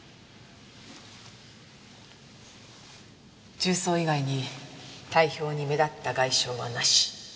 銃創以外に体表に目立った外傷はなし。